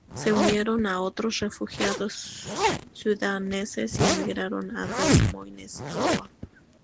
Se unieron a otros refugiados sudaneses y emigraron a Des Moines, Iowa.